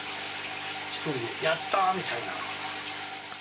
一人で「やった！」みたいな。